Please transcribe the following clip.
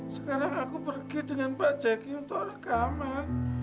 sekarang aku pergi dengan pak jaki untuk rekaman